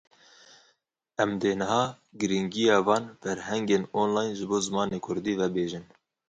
Em dê niha girîngîya van ferhengên online ji bo zimanê kurdî vebêjin.